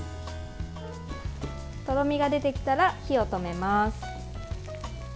とろみが出てきたら火を止めます。